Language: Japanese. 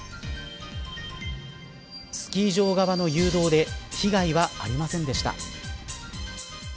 スキー場側の誘導で被害はありませんでした。